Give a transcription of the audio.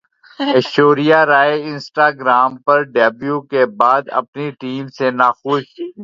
Aishwarya Rai Instagram پر debut کے بعد اپنی ٹیم سے ناخوش